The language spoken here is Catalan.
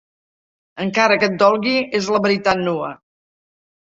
Encara que et dolgui, és la veritat nua.